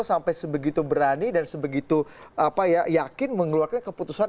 sampai sebegitu berani dan sebegitu yakin mengeluarkan keputusan